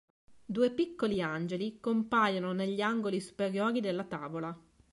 Due piccoli angeli compaiono negli angoli superiori della tavola.